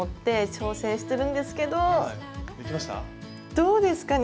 どうですかね